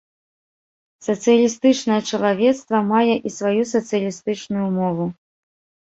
Сацыялістычнае чалавецтва мае і сваю сацыялістычную мову.